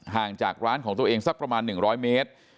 ห่างจากร้านของตัวเองสักประมาณ๑๐๐เมตร